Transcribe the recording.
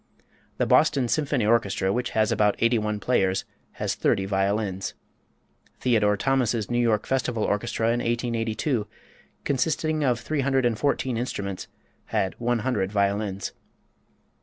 The Boston Symphony Orchestra, which has about eighty one players, has thirty violins. Theodore Thomas's New York Festival Orchestra in 1882, consisting of three hundred and fourteen instruments, had one hundred violins.